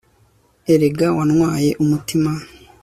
erega wantwaye umutima